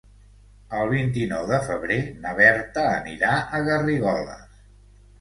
El vint-i-nou de febrer na Berta anirà a Garrigoles.